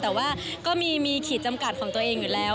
แต่ว่าก็มีขีดจำกัดของตัวเองอยู่แล้ว